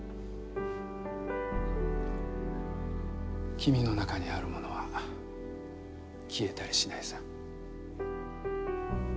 君の中にあるものは消えたりしないさ。